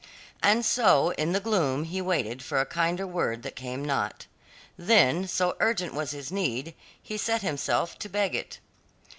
And so in the gloom he waited for a kinder word that came not; then so urgent was his need he set himself to beg it.